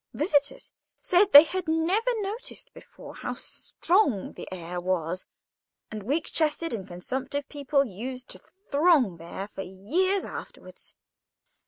Visitors said they had never noticed before how strong the air was, and weak chested and consumptive people used to throng there for years afterwards.